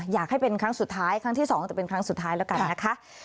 อยากให้เป็นครั้งสุดท้ายครั้งที่สองแต่เป็นครั้งสุดท้ายแล้วกันนะคะ